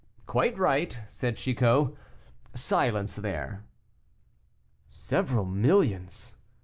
"Quite right," said Chicot; "silence there." "Several millions!"